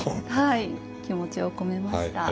はい気持ちを込めました。